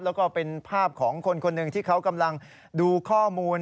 แล้วก็เป็นภาพของคนคนหนึ่งที่เขากำลังดูข้อมูล